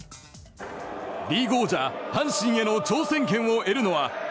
リーグ王者、阪神への挑戦権を得るのは。